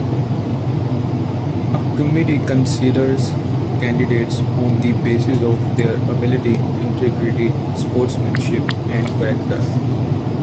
A committee considers candidates on the basis of their ability, integrity, sportsmanship and character.